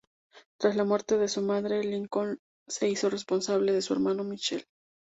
Tras la muerte de su madre, Lincoln se hizo responsable de su hermano Michael.